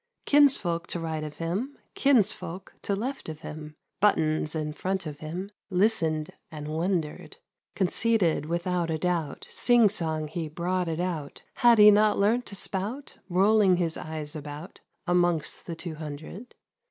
Kinsfolk to right of him. Kinsfolk to left of him " Buttons " in front of him. Listened and wondered ! Conceited without a dbubt. Sing song he brought it out. Had he not learnt to spout, Rolling his eyes about. Amongst the two hundred.